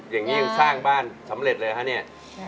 อย่างนี้ยังสร้างบ้านสำเร็จเลยเหรอคะเนี่ย